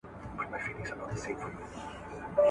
چي دا ټوله د دوستانو برکت دی